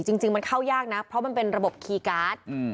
จริงมันเข้ายากนะเพราะมันเป็นระบบคีย์การ์ด